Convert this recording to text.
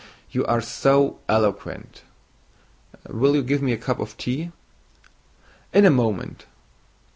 You are so eloquent. Will you give me a cup of tea?" "In a moment.